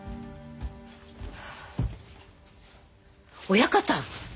親方！